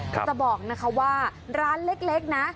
จะบอกว่าร้านเล็กนะ